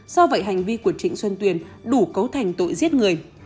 do vậy hành vi của trịnh xuân tuyền đủ cấu thành tội giết người